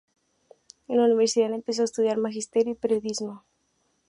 En la universidad empezó a estudiar magisterio y periodismo.